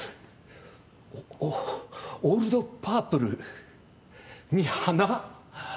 オオールド・パープルに花？